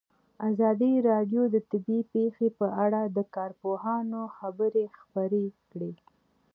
ازادي راډیو د طبیعي پېښې په اړه د کارپوهانو خبرې خپرې کړي.